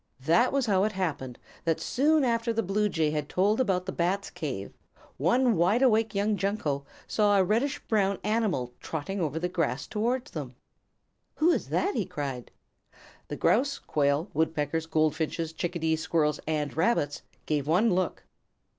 That was how it happened that soon after the Blue Jay had told about the Bats' cave, one wide awake young Junco saw a reddish brown animal trotting over the grass toward them. "Who is that?" he cried. The Grouse, Quail, Woodpeckers, Goldfinches, Chickadees, Squirrels, and Rabbits gave one look.